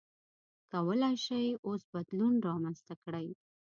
کولای شئ اوس بدلون رامنځته کړئ.